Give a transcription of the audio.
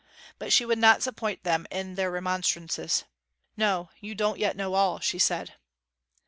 But she would not support them in their remonstrances. 'No, you don't yet know all,' she said.